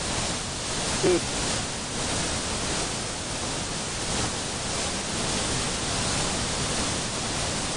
Kkret.